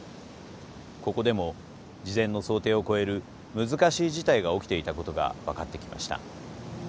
ここでも事前の想定を超える難しい事態が起きていたことが分かってきました。